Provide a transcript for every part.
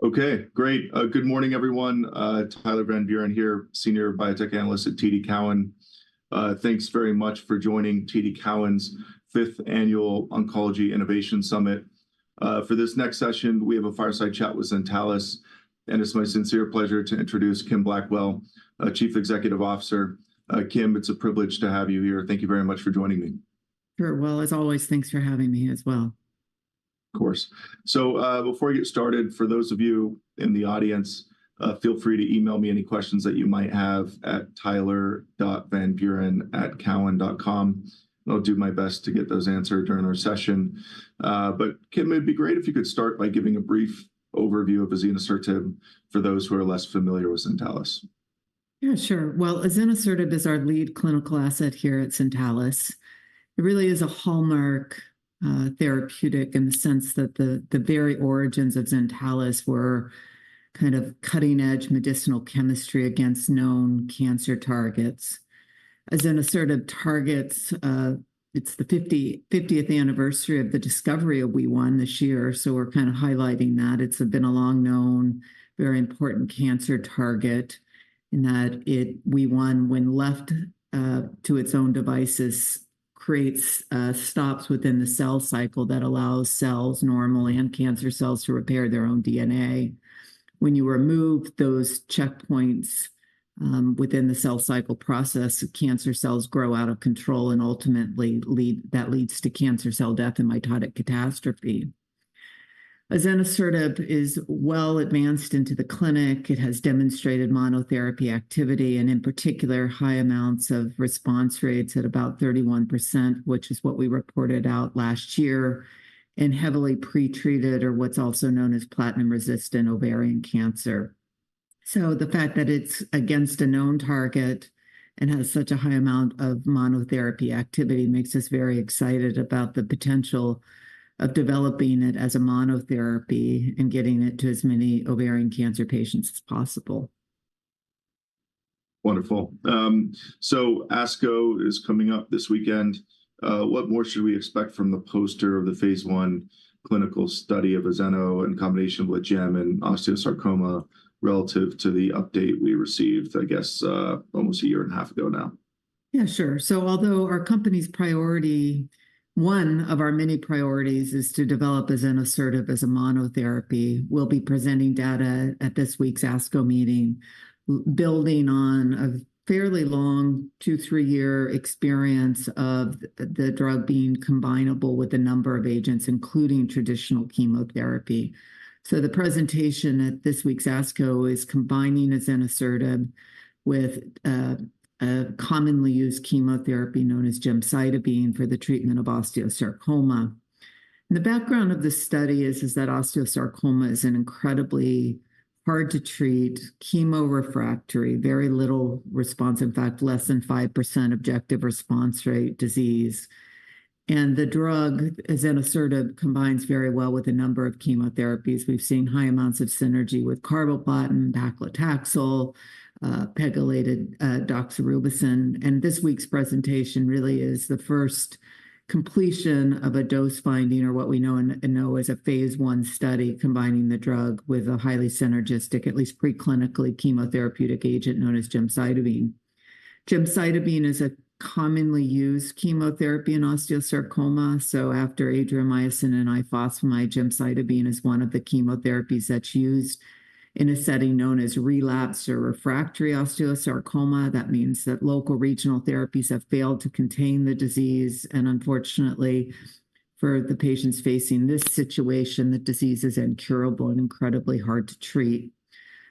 Okay, great. Good morning, everyone. Tyler Van Buren here, Senior Biotech Analyst at TD Cowen. Thanks very much for joining TD Cowen's fifth Annual Oncology Innovation Summit. For this next session, we have a fireside chat with Zentalis, and it's my sincere pleasure to introduce Kim Blackwell, Chief Executive Officer. Kim, it's a privilege to have you here. Thank you very much for joining me. Sure. Well, as always, thanks for having me as well. Of course. Before we get started, for those of you in the audience, feel free to email me any questions that you might have at tyler.vanburen@cowen.com. I'll do my best to get those answered during our session. But Kim, it'd be great if you could start by giving a brief overview of azenosertib for those who are less familiar with Zentalis. Yeah, sure. Well, azenosertib is our lead clinical asset here at Zentalis. It really is a hallmark therapeutic in the sense that the very origins of Zentalis were kind of cutting-edge medicinal chemistry against known cancer targets. Azenosertib targets... It's the 50th anniversary of the discovery of WEE1 this year, so we're kind of highlighting that. It's been a long-known, very important cancer target in that it, WEE1, when left to its own devices, creates stops within the cell cycle that allows cells normally, and cancer cells, to repair their own DNA. When you remove those checkpoints within the cell cycle process, cancer cells grow out of control, and ultimately, that leads to cancer cell death and mitotic catastrophe. Azenosertib is well advanced into the clinic. It has demonstrated monotherapy activity, and in particular, high amounts of response rates at about 31%, which is what we reported out last year, in heavily pre-treated, or what's also known as platinum-resistant ovarian cancer. So the fact that it's against a known target and has such a high amount of monotherapy activity makes us very excited about the potential of developing it as a monotherapy and getting it to as many ovarian cancer patients as possible. Wonderful. So ASCO is coming up this weekend. What more should we expect from the poster of the phase I clinical study of azeno in combination withgem in osteosarcoma, relative to the update we received, I guess, almost a year and a half ago now? Yeah, sure. So although our company's priority, one of our many priorities, is to develop azenosertib as a monotherapy, we'll be presenting data at this week's ASCO meeting, building on a fairly long, 2-3-year experience of the drug being combinable with a number of agents, including traditional chemotherapy. So the presentation at this week's ASCO is combining azenosertib with a commonly used chemotherapy known as gemcitabine for the treatment of osteosarcoma. The background of this study is that osteosarcoma is an incredibly hard-to-treat, chemo-refractory, very little response, in fact, less than 5% objective response rate disease. And the drug, azenosertib, combines very well with a number of chemotherapies. We've seen high amounts of synergy with carboplatin, paclitaxel, pegylated doxorubicin. This week's presentation really is the first completion of a dose-finding, or what we know as a phase I study, combining the drug with a highly synergistic, at least preclinically, chemotherapeutic agent known as gemcitabine. Gemcitabine is a commonly used chemotherapy in osteosarcoma, so after Adriamycin and ifosamide, gemcitabine is one of the chemotherapies that's used in a setting known as relapsed or refractory osteosarcoma. That means that local regional therapies have failed to contain the disease, and unfortunately, for the patients facing this situation, the disease is incurable and incredibly hard to treat.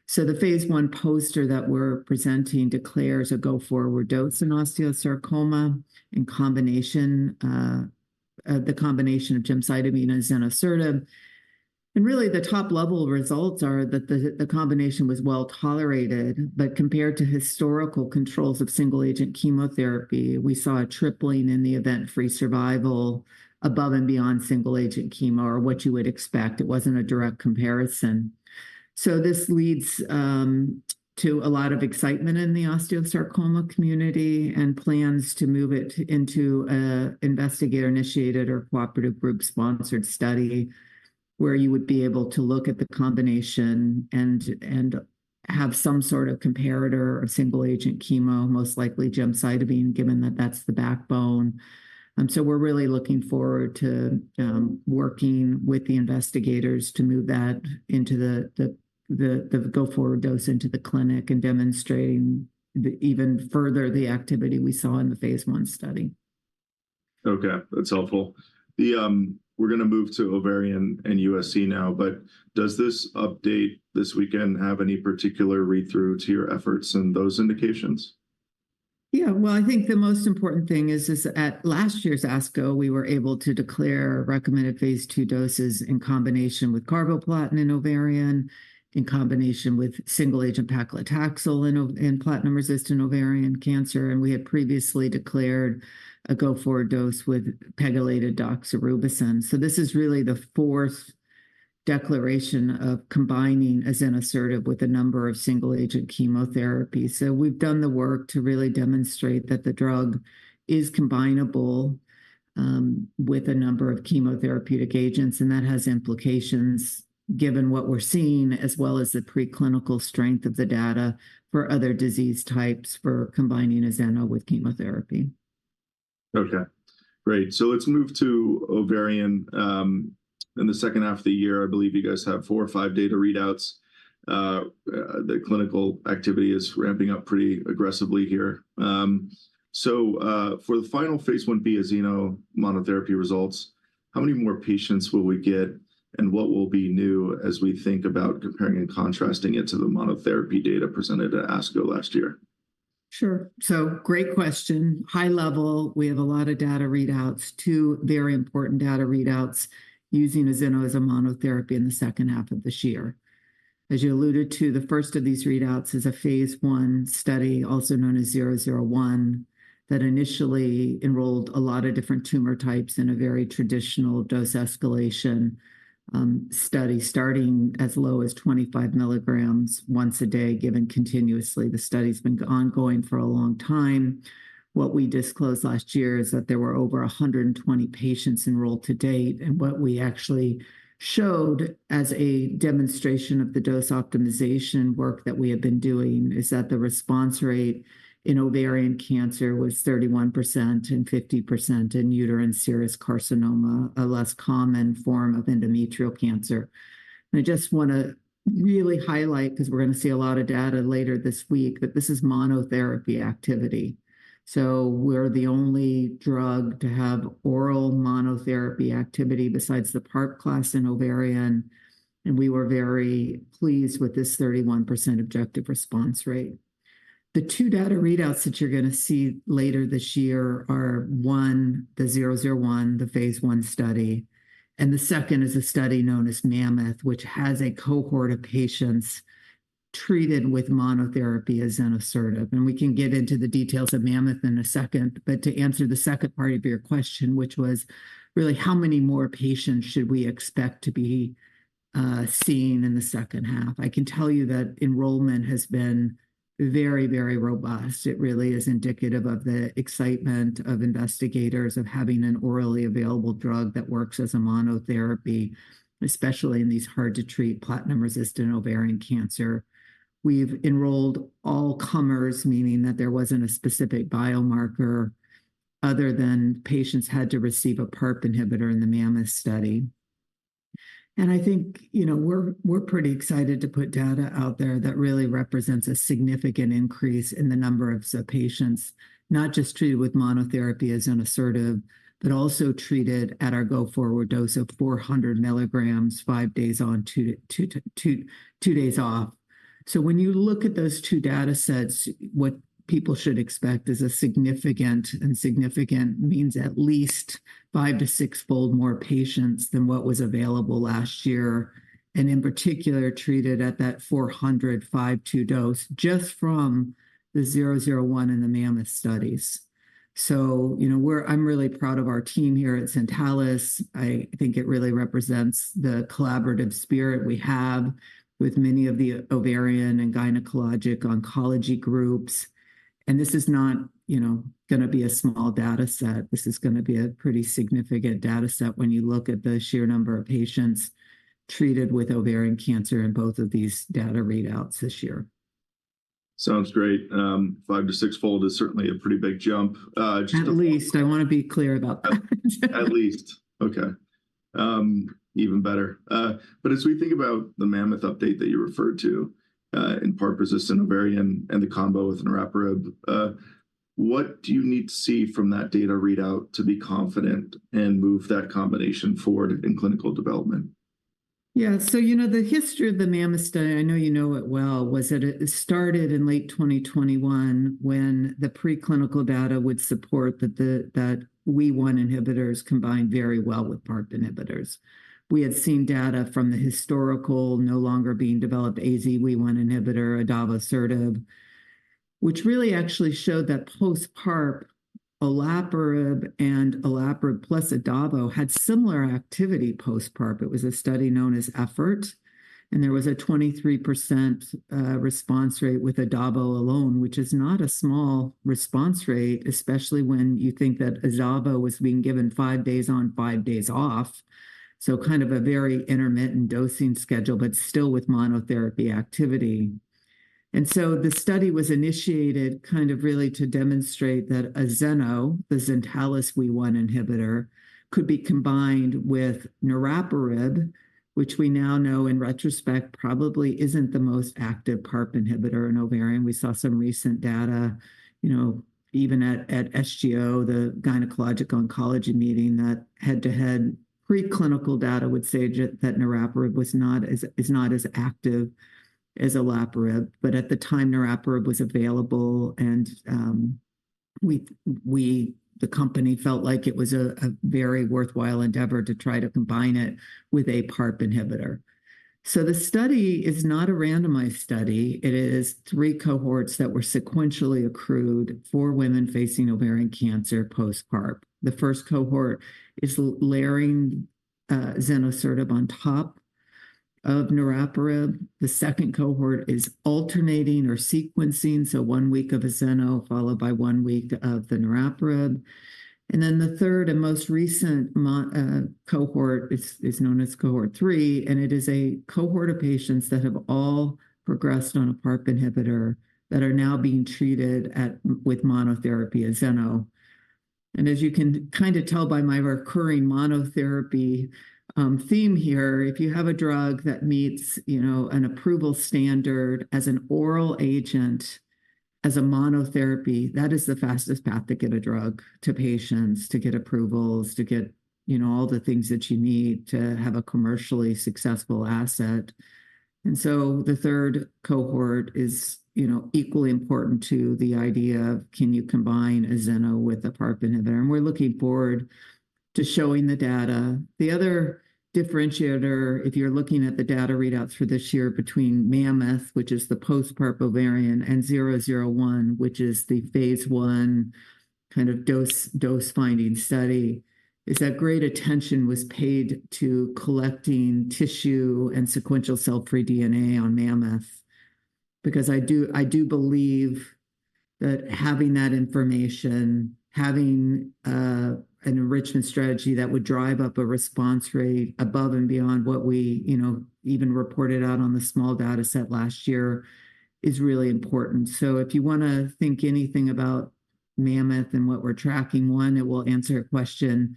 So the phase I poster that we're presenting declares a go-forward dose in osteosarcoma in combination, the combination of gemcitabine and azenosertib. Really, the top-level results are that the combination was well-tolerated, but compared to historical controls of single-agent chemotherapy, we saw a tripling in the event-free survival above and beyond single-agent chemo, or what you would expect. It wasn't a direct comparison. This leads to a lot of excitement in the osteosarcoma community and plans to move it into an investigator-initiated or cooperative group-sponsored study, where you would be able to look at the combination and have some sort of comparator of single-agent chemo, most likely gemcitabine, given that that's the backbone. We're really looking forward to working with the investigators to move that into the go-forward dose into the clinic and demonstrating even further the activity we saw in the phase I study. Okay, that's helpful. The... We're gonna move to ovarian and USC now, but does this update this weekend have any particular read-through to your efforts and those indications? Yeah. Well, I think the most important thing is, is at last year's ASCO, we were able to declare recommended Phase II doses in combination with carboplatin in ovarian, in combination with single-agent paclitaxel in in platinum-resistant ovarian cancer, and we had previously declared a go-forward dose with pegylated doxorubicin. So this is really the fourth declaration of combining azenosertib with a number of single-agent chemotherapy. So we've done the work to really demonstrate that the drug is combinable, with a number of chemotherapeutic agents, and that has implications, given what we're seeing, as well as the preclinical strength of the data for other disease types, for combining azeno with chemotherapy. Okay, great. So let's move to ovarian. In the second half of the year, I believe you guys have four or five data readouts. The clinical activity is ramping up pretty aggressively here. For the final phase Ia azeno monotherapy results, how many more patients will we get, and what will be new as we think about comparing and contrasting it to the monotherapy data presented at ASCO last year? Sure. So great question. High level, we have a lot of data readouts, two very important data readouts using azeno as a monotherapy in the second half of this year. As you alluded to, the first of these readouts is a phase I study, also known as 001, that initially enrolled a lot of different tumor types in a very traditional dose escalation study, starting as low as 25 mg once a day, given continuously. The study's been ongoing for a long time. What we disclosed last year is that there were over 120 patients enrolled to date, and what we actually showed as a demonstration of the dose optimization work that we have been doing is that the response rate in ovarian cancer was 31% and 50% in uterine serous carcinoma, a less common form of endometrial cancer. And I just wanna really highlight, 'cause we're gonna see a lot of data later this week, that this is monotherapy activity. So we're the only drug to have oral monotherapy activity besides the PARP class in ovarian, and we were very pleased with this 31% objective response rate. The two data readouts that you're gonna see later this year are, one, the 001, the phase I study, and the second is a study known as MAMMOTH, which has a cohort of patients treated with monotherapy azenosertib, and we can get into the details of MAMMOTH in a second. But to answer the second part of your question, which was really how many more patients should we expect to be seen in the second half, I can tell you that enrollment has been very, very robust. It really is indicative of the excitement of investigators of having an orally available drug that works as a monotherapy, especially in these hard-to-treat platinum-resistant ovarian cancer. We've enrolled all comers, meaning that there wasn't a specific biomarker, other than patients had to receive a PARP inhibitor in the MAMMOTH study. I think, you know, we're pretty excited to put data out there that really represents a significant increase in the number of patients, not just treated with monotherapy azenosertib, but also treated at our go-forward dose of 400 mg, five days on, two days off. So when you look at those two data sets, what people should expect is a significant, and significant means at least 5-6-fold more patients than what was available last year, and in particular, treated at that 452 dose, just from the 001 and the MAMMOTH studies. So, you know, I'm really proud of our team here at Zentalis. I think it really represents the collaborative spirit we have with many of the ovarian and gynecologic oncology groups. This is not, you know, gonna be a small data set. This is gonna be a pretty significant data set when you look at the sheer number of patients treated with ovarian cancer in both of these data readouts this year. Sounds great. 5-6-fold is certainly a pretty big jump. At least, I wanna be clear about that. At least. Okay. Even better. But as we think about the MAMMOTH update that you referred to, in PARP-resistant ovarian and the combo with niraparib, what do you need to see from that data readout to be confident and move that combination forward in clinical development? Yeah, so, you know, the history of the MAMMOTH study, I know you know it well, was that it started in late 2021 when the preclinical data would support that WEE1 inhibitors combined very well with PARP inhibitors. We had seen data from the historical no longer being developed AZ WEE1 inhibitor, adavosertib, which really actually showed that post-PARP, olaparib and olaparib plus adavo had similar activity post-PARP. It was a study known as EFFORT, and there was a 23% response rate with adavo alone, which is not a small response rate, especially when you think that adavo was being given five days on, five days off, so kind of a very intermittent dosing schedule, but still with monotherapy activity. The study was initiated kind of really to demonstrate that azenosertib, the Zentalis WEE1 inhibitor, could be combined with niraparib, which we now know in retrospect, probably isn't the most active PARP inhibitor in ovarian. We saw some recent data, you know, even at SGO, the gynecologic oncology meeting, that head-to-head preclinical data would say that niraparib is not as active as olaparib. But at the time, niraparib was available, and the company felt like it was a very worthwhile endeavor to try to combine it with a PARP inhibitor. So the study is not a randomized study. It is three cohorts that were sequentially accrued for women facing ovarian cancer post-PARP. The first cohort is layering azenosertib on top of niraparib. The second cohort is alternating or sequencing, so one week of azeno followed by one week of the niraparib. And then the third and most recent cohort is known as cohort three, and it is a cohort of patients that have all progressed on a PARP inhibitor that are now being treated with monotherapy azeno. And as you can kinda tell by my recurring monotherapy theme here, if you have a drug that meets, you know, an approval standard as an oral agent, as a monotherapy, that is the fastest path to get a drug to patients, to get approvals, to get, you know, all the things that you need to have a commercially successful asset. And so the third cohort is, you know, equally important to the idea of, can you combine azeno with a PARP inhibitor? We're looking forward to showing the data. The other differentiator, if you're looking at the data readouts for this year between MAMMOTH, which is the post-PARP ovarian, and 001, which is the phase I kind of dose, dose-finding study, is that great attention was paid to collecting tissue and sequential cell-free DNA on MAMMOTH. Because I do, I do believe that having that information, having an enrichment strategy that would drive up a response rate above and beyond what we, you know, even reported out on the small data set last year, is really important. So if you wanna think anything about MAMMOTH and what we're tracking, one, it will answer a question: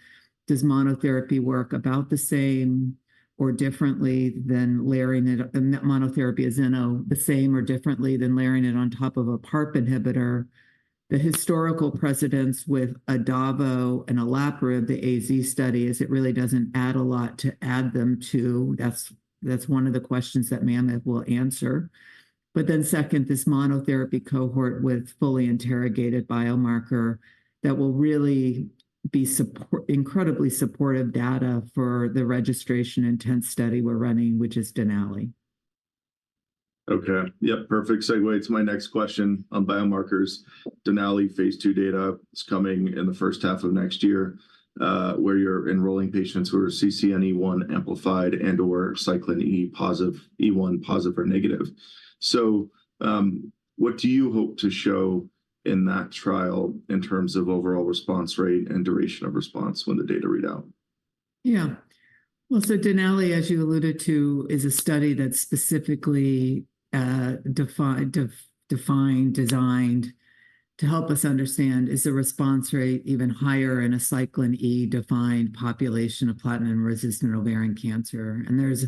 Does monotherapy work about the same or differently than layering it than monotherapy azenosertib the same or differently than layering it on top of a PARP inhibitor? The historical precedents with adavosertib and olaparib, the AZ study, is it really doesn't add a lot to add them to. That's, that's one of the questions that MAMMOTH will answer. But then second, this monotherapy cohort with fully interrogated biomarker, that will really be incredibly supportive data for the registration-intent study we're running, which is DENALI. Okay. Yep, perfect segue to my next question on biomarkers. Denali phase II data is coming in the first half of next year, where you're enrolling patients who are CCNE1 amplified and/or cyclin E positive, E1 positive or negative. So, what do you hope to show in that trial in terms of overall response rate and duration of response when the data read out? Yeah. Well, so DENALI, as you alluded to, is a study that's specifically defined, designed to help us understand, is the response rate even higher in a Cyclin E-defined population of platinum-resistant ovarian cancer? And there's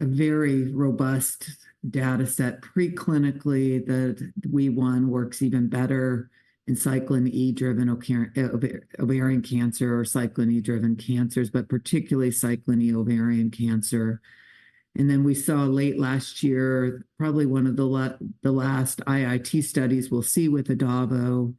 a very robust data set pre-clinically, that WEE1 works even better in Cyclin E-driven ovarian cancer or Cyclin E-driven cancers, but particularly Cyclin E ovarian cancer. And then we saw late last year, probably one of the last IIT studies we'll see with adavosertib,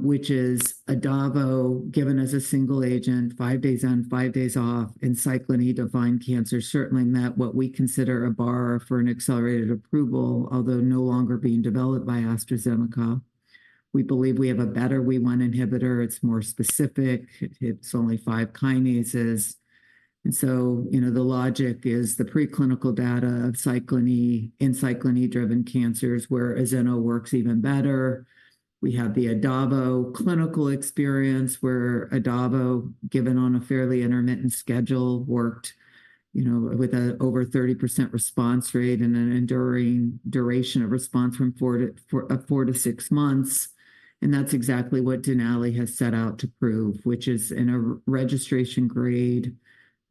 which is adavosertib, given as a single agent, five days on, five days off, in Cyclin E-defined cancer, certainly met what we consider a bar for an accelerated approval, although no longer being developed by AstraZeneca. We believe we have a better WEE1 inhibitor. It's more specific. It's only five kinases. So, you know, the logic is the preclinical data of Cyclin E in Cyclin E-driven cancers where azeno works even better. We have the adavo clinical experience, where adavo, given on a fairly intermittent schedule, worked, you know, with over 30% response rate and an enduring duration of response from 4-6 months. And that's exactly what DENALI has set out to prove, which is in a registration grade,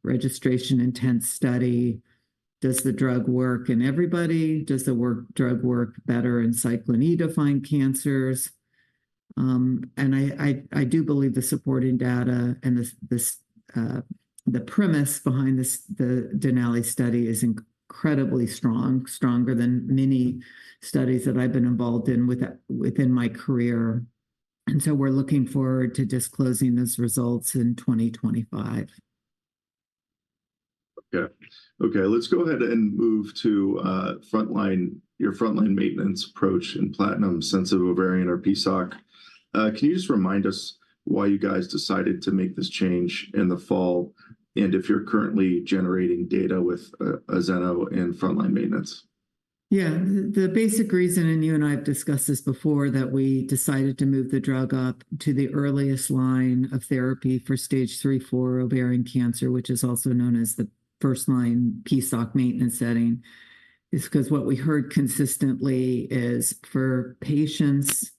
registration intent study, does the drug work in everybody? Does the drug work better in Cyclin E-defined cancers? And I do believe the supporting data and this, the premise behind this, the DENALI study is incredibly strong, stronger than many studies that I've been involved in with that, within my career. And so we're looking forward to disclosing those results in 2025. Okay. Okay, let's go ahead and move to frontline, your frontline maintenance approach in platinum-sensitive ovarian or PSOC. Can you just remind us why you guys decided to make this change in the fall, and if you're currently generating data with azeno in frontline maintenance? Yeah. The basic reason, and you and I have discussed this before, that we decided to move the drug up to the earliest line of therapy for stage three, four ovarian cancer, which is also known as the first-line PSOC maintenance setting, is 'cause what we heard consistently is for patients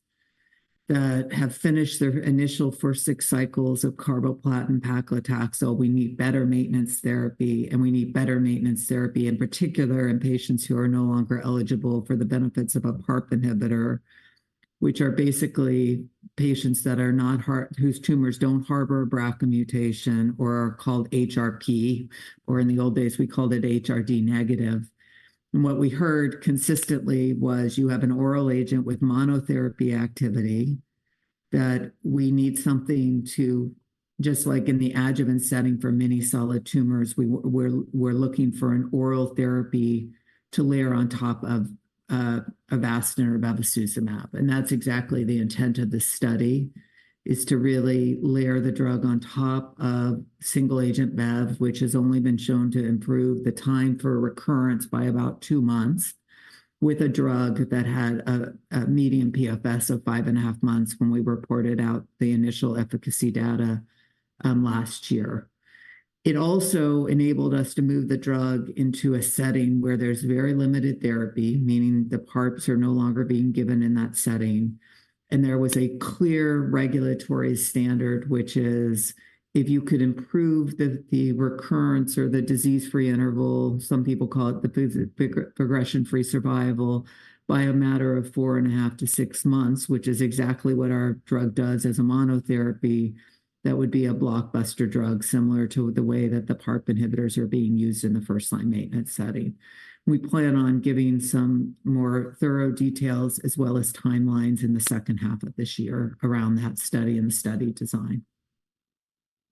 that have finished their initial first six cycles of carboplatin paclitaxel, we need better maintenance therapy, and we need better maintenance therapy, in particular in patients who are no longer eligible for the benefits of a PARP inhibitor, which are basically patients that are not whose tumors don't harbor a BRCA mutation or are called HRP, or in the old days, we called it HRD negative. And what we heard consistently was you have an oral agent with monotherapy activity-... that we need something to, just like in the adjuvant setting for many solid tumors, we're looking for an oral therapy to layer on top of Avastin or bevacizumab. And that's exactly the intent of this study, is to really layer the drug on top of single-agent bev, which has only been shown to improve the time for recurrence by about two months, with a drug that had a median PFS of five and a half months when we reported out the initial efficacy data last year. It also enabled us to move the drug into a setting where there's very limited therapy, meaning the PARPs are no longer being given in that setting. There was a clear regulatory standard, which is, if you could improve the recurrence or the disease-free interval, some people call it the progression-free survival, by a matter of 4.5-6 months, which is exactly what our drug does as a monotherapy, that would be a blockbuster drug, similar to the way that the PARP inhibitors are being used in the first-line maintenance setting. We plan on giving some more thorough details, as well as timelines, in the second half of this year around that study and the study design.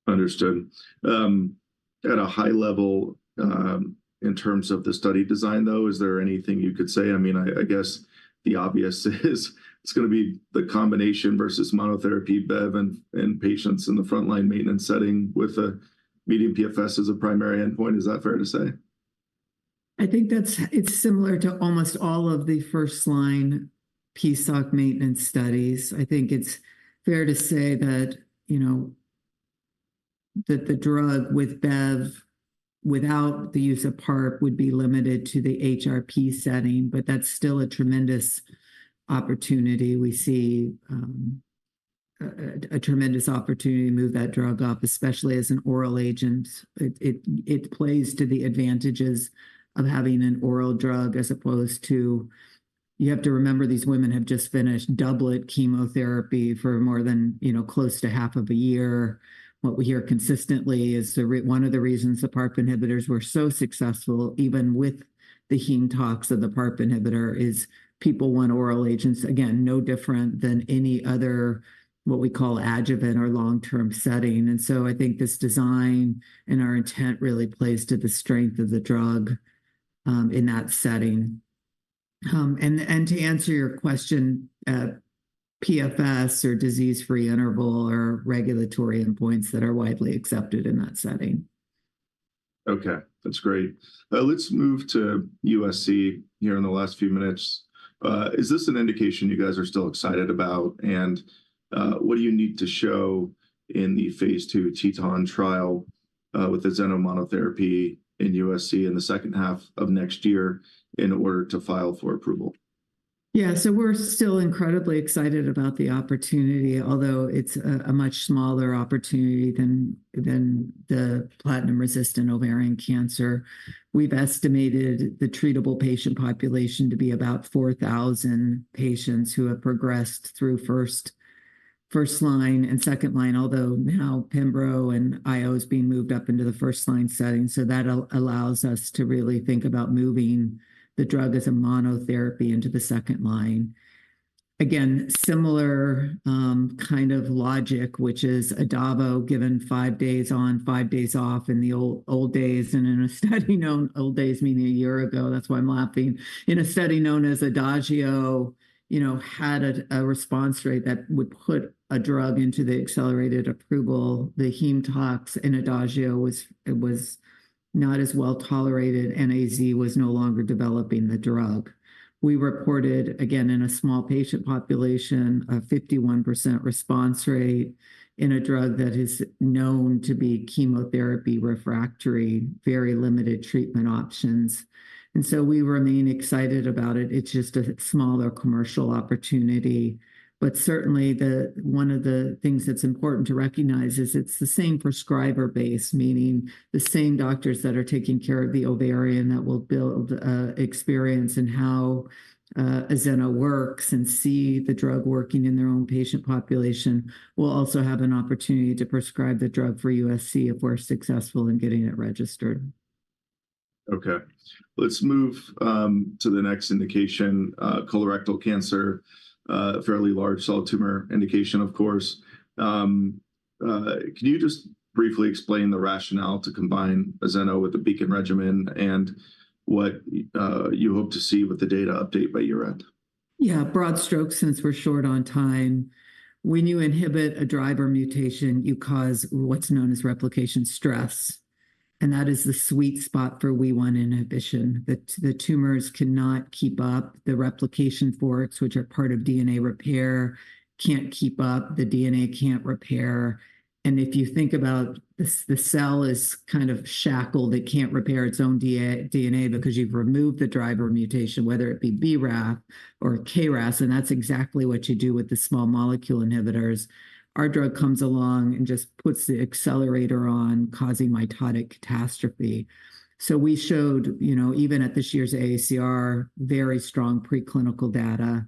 Understood. At a high level, in terms of the study design, though, is there anything you could say? I mean, I guess the obvious is it's gonna be the combination versus monotherapy, bev and, and patients in the frontline maintenance setting with a medium PFS as a primary endpoint. Is that fair to say? I think that's similar to almost all of the first-line PSOC maintenance studies. I think it's fair to say that, you know, that the drug with bev, without the use of PARP, would be limited to the HRP setting, but that's still a tremendous opportunity. We see a tremendous opportunity to move that drug up, especially as an oral agent. It plays to the advantages of having an oral drug, as opposed to... You have to remember, these women have just finished doublet chemotherapy for more than, you know, close to half of a year. What we hear consistently is one of the reasons the PARP inhibitors were so successful, even with the heme tox of the PARP inhibitor, is people want oral agents. Again, no different than any other, what we call, adjuvant or long-term setting. And so I think this design and our intent really plays to the strength of the drug, in that setting. And to answer your question, PFS or disease-free interval are regulatory endpoints that are widely accepted in that setting. Okay, that's great. Let's move to USC here in the last few minutes. Is this an indication you guys are still excited about? And, what do you need to show in the phase II TETON trial, with the azenosertib monotherapy in USC in the second half of next year in order to file for approval? Yeah, so we're still incredibly excited about the opportunity, although it's a much smaller opportunity than the platinum-resistant ovarian cancer. We've estimated the treatable patient population to be about 4,000 patients who have progressed through first-line and second-line, although now pembrolizumab and IO is being moved up into the first-line setting, so that allows us to really think about moving the drug as a monotherapy into the second line. Again, similar kind of logic, which is adavosertib given five days on, days off in the old days, and in a study known as ADAGIO old days meaning a year ago, that's why I'm laughing. In a study known as ADAGIO, you know, had a response rate that would put a drug into the accelerated approval. The heme tox in ADAGIO was was not as well-tolerated, and AZ was no longer developing the drug. We reported, again, in a small patient population, a 51% response rate in a drug that is known to be chemotherapy refractory, very limited treatment options. And so we remain excited about it. It's just a smaller commercial opportunity. But certainly, one of the things that's important to recognize is it's the same prescriber base, meaning the same doctors that are taking care of the ovarian that will build experience in how azeno works and see the drug working in their own patient population, will also have an opportunity to prescribe the drug for USC if we're successful in getting it registered. Okay. Let's move to the next indication, colorectal cancer, fairly large solid tumor indication, of course. Can you just briefly explain the rationale to combine azeno with the BEACON regimen and what you hope to see with the data update by year-end? Yeah, broad strokes, since we're short on time. When you inhibit a driver mutation, you cause what's known as replication stress, and that is the sweet spot for WEE1 inhibition. The tumors cannot keep up. The replication forks, which are part of DNA repair, can't keep up. The DNA can't repair. And if you think about this, the cell is kind of shackled. It can't repair its own DNA because you've removed the driver mutation, whether it be BRAF or KRAS, and that's exactly what you do with the small molecule inhibitors. Our drug comes along and just puts the accelerator on, causing mitotic catastrophe. So we showed, you know, even at this year's AACR, very strong preclinical data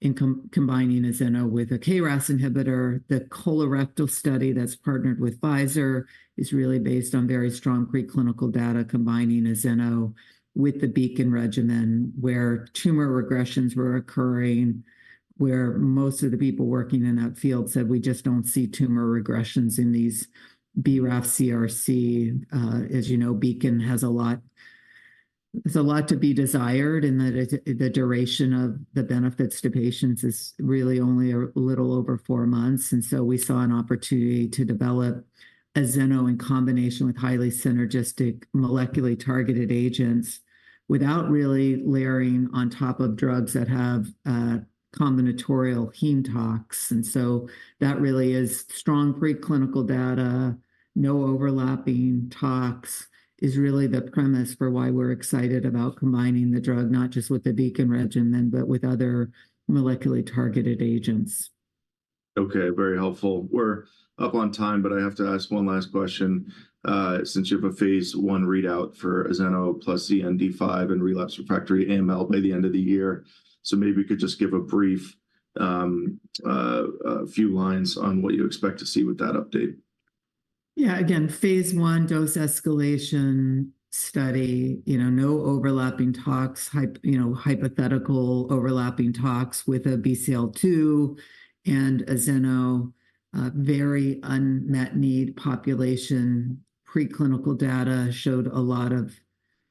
in combining azenosertib with a KRAS inhibitor. The colorectal study that's partnered with Pfizer is really based on very strong preclinical data, combining azeno with the BEACON regimen, where tumor regressions were occurring, where most of the people working in that field said, "We just don't see tumor regressions in these BRAF CRC." As you know, BEACON has a lot, there's a lot to be desired in that it, the duration of the benefits to patients is really only a little over four months. We saw an opportunity to develop a zeno in combination with highly synergistic molecularly targeted agents, without really layering on top of drugs that have combinatorial heme tox. That really is strong preclinical data, no overlapping tox, is really the premise for why we're excited about combining the drug, not just with the BEACON regimen, but with other molecularly targeted agents. Okay, very helpful. We're up on time, but I have to ask one last question. Since you have a phase I readout for azenosertib plus ZN-d5 and relapsed refractory AML by the end of the year. So maybe we could just give a brief, a few lines on what you expect to see with that update. Yeah, again, phase I, dose escalation study, you know, no overlapping tox, hypothetical overlapping tox with a BCL-2 and azenosertib, very unmet need population. Preclinical data showed a lot of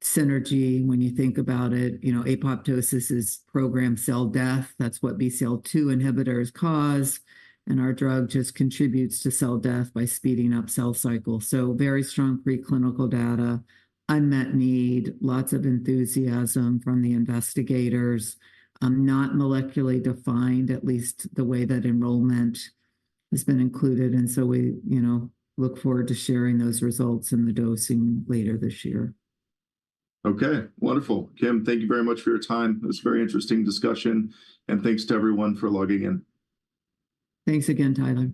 synergy when you think about it. You know, apoptosis is programmed cell death. That's what BCL-2 inhibitors cause, and our drug just contributes to cell death by speeding up cell cycle. So very strong preclinical data, unmet need, lots of enthusiasm from the investigators. Not molecularly defined, at least the way that enrollment has been included, and so we, you know, look forward to sharing those results in the dosing later this year. Okay, wonderful. Kim, thank you very much for your time. It was a very interesting discussion, and thanks to everyone for logging in. Thanks again, Tyler.